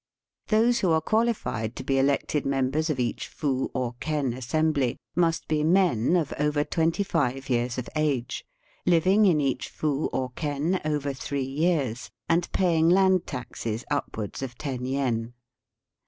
Those who are qualified to be elected members of each fu or ken assembly must be men of over twenty five years of age, living in each fu or ken over three years, and paying land taxes upwards of ten yen.